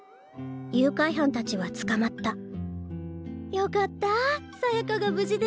誘拐犯たちはつかまったよかったさやかが無事で。